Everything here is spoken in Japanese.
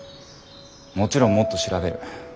もちろんもっと調べる。